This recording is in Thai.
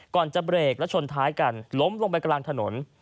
ก่อนจะเบรกและชนท้ายกันล้มลงไปกลางถนน